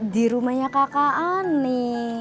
dirumahnya kakak ani